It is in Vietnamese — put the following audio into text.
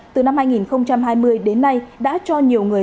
từ năm hai nghìn hai mươi đến nay đã cho nhiều người